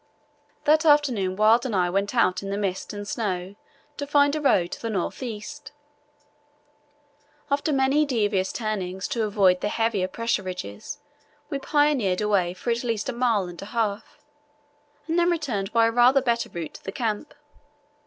That afternoon Wild and I went out in the mist and snow to find a road to the north east. After many devious turnings to avoid the heavier pressure ridges, we pioneered a way for at least a mile and a half. and then returned by a rather better route to the camp.